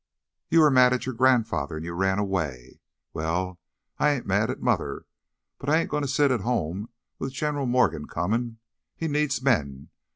"You were mad at your grandfather, and you ran away. Well, I ain't mad at Mother, but I ain't goin' to sit at home with General Morgan comin'! He needs men.